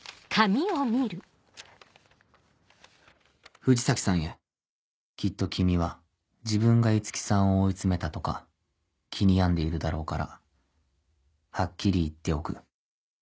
「藤崎さんへきっと君は自分が五木さんを追いつめたとか気に病んでいるだろうからはっきり言っておく。